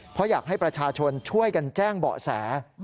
เพราะอยากให้ประชาชนช่วยกันแจ้งเบาะแส